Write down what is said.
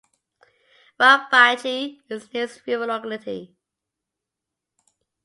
Rybachy is the nearest rural locality.